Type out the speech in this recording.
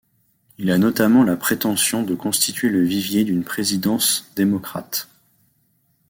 Il a notamment la prétention de constituer le vivier d'une présidence démocrate.